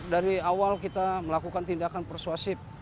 dari awal kita melakukan tindakan persuasif